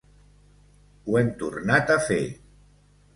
Ho hem tornat a fer.